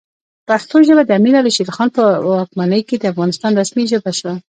پښتو ژبه د امیر شیرعلی خان په واکمنۍ کې د افغانستان رسمي ژبه شوه.